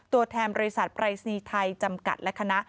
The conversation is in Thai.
ตัวแทนบริษัทปรายศนีย์ไทยจำกัดและคณะ